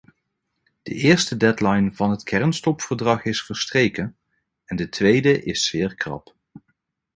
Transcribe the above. De eerste deadline van het kernstopverdrag is verstreken en de tweede is zeer krap.